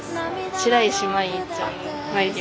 白石麻衣ちゃんの眉毛。